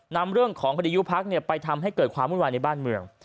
นำเรื่องของคดียุพักไปทำให้เกิดความวุ่นวายในบ้านเมือง